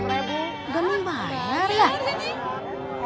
gak mending bayar ya